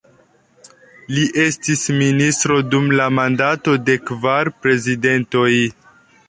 Li estis ministro dum la mandato de kvar prezidentoj.